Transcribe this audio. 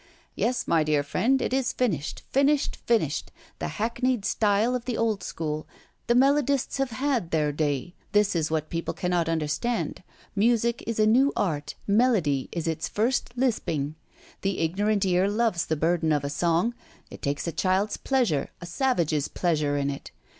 "Yes, my dear friend, it is finished, finished, finished, the hackneyed style of the old school. The melodists have had their day. This is what people cannot understand. Music is a new art, melody is its first lisping. The ignorant ear loves the burden of a song. It takes a child's pleasure, a savage's pleasure in it.